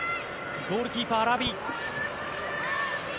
ゴールキーパー、ラビ。